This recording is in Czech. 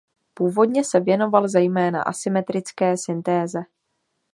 Původně se věnoval zejména asymetrické syntéze.